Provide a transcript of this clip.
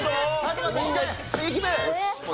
いきます！